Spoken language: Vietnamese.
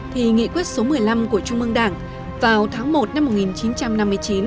thì nghị quyết số một mươi năm của trung mương đảng vào tháng một năm một nghìn chín trăm năm mươi chín